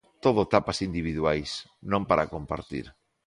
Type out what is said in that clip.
Todo tapas individuais, non para compartir.